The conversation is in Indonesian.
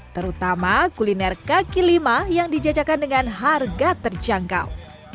terutama kuliner kaki lima yang dijajakan dengan harga terjangkau